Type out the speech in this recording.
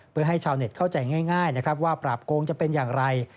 เพื่อให้ชาวเน็ตเข้าใจง่ายนะครับว่าปราบโกงจะเป็นอย่างไร